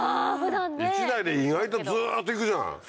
１台で意外とずっと行くじゃん。